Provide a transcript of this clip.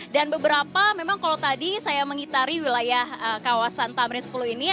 dan beberapa memang kalau tadi saya mengitari wilayah kawasan tamrin sepuluh ini